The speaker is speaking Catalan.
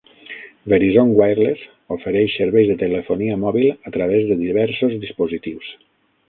Verizon Wireless ofereix serveis de telefonia mòbil a través de diversos dispositius.